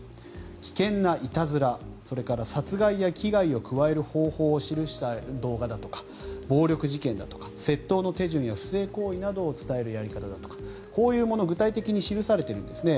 危険ないたずらそれから殺害や危害を加える方法を記した動画だとか暴力事件だとか、窃盗の手順や不正行為を伝えるやり方だとかこういうもの、具体的に記されているんですね。